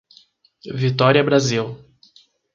Vitória Brasil